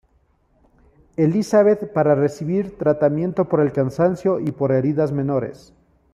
Elizabeth para recibir tratamiento por el cansancio y por heridas menores.